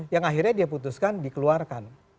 yang akhirnya dia putuskan dikeluarkan